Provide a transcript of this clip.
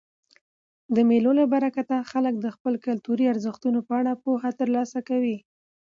د مېلو له برکته خلک د خپلو کلتوري ارزښتو په اړه پوهه ترلاسه کوي.